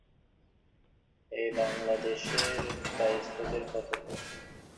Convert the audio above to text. এই বাঙলা দেশের কায়স্থদের কথা ধর।